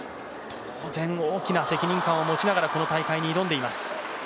当然、大きな責任感を持ちながらこの大会に挑んでいます。